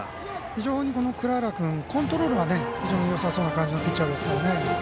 非常に藏原君コントロールがよさそうなピッチャーですからね。